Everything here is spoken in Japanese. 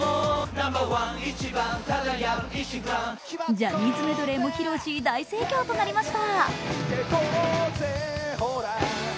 ジャニーズメドレーも披露し大盛況となりました。